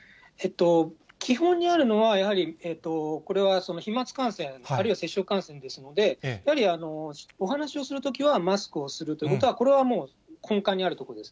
基本にあるのは、やはり、これは飛まつ感染、あるいは接触感染ですので、やはり、お話をするときはマスクをするということは、これはもう根幹にあるところです。